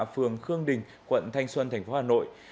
phường khương đình quận thanh xuân thành phố hà nội